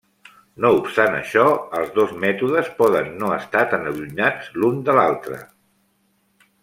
No obstant això, els dos mètodes poden no estar tan allunyats l'u de l'altre.